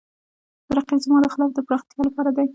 رقیب زما د خلاقیت د پراختیا لپاره دی